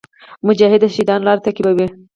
مجاهد د شهیدانو لار تعقیبوي.